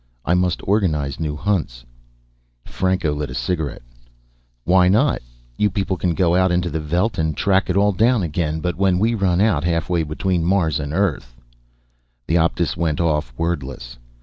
"I must organize new hunts." Franco lit a cigarette. "Why not? You people can go out into the veldt and track it all down again. But when we run out halfway between Mars and Earth " The Optus went off, wordless.